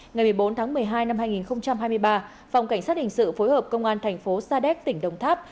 ngày một mươi bốn tháng một mươi hai năm hai nghìn hai mươi ba phòng cảnh sát hình sự phối hợp công an tp sadec tỉnh đồng tháp